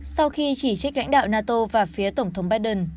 sau khi chỉ trích lãnh đạo nato và phía tổng thống biden